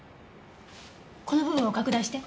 この部分を拡大して。